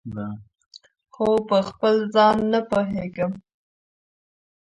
خو پخپل ځان نه پوهیږم